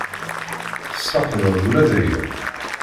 Tesfeqdeḍ ula d aya?